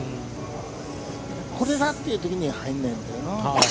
これだというときに入らないんだよな。